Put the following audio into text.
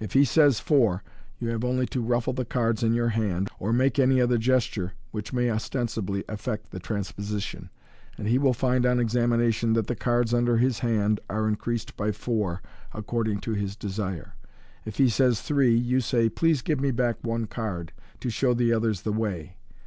If he says " Four," you have only to ruffle the cards in your hand, or make any other gesture which may ostensibly effect the transposition j and he will find on examination that the cards under his hand are increased by four, according to hif desire. If he says " Three," you say, " Please give me back one card, to show the others the way."